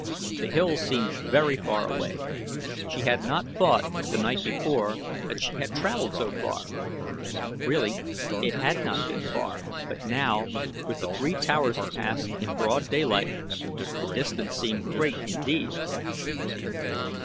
The hills seemed very far away. She had not thought, the night before, that she had traveled so far. Really it had not been far, but now, with the three towers to pass in broad daylight, the distance seemed great indeed.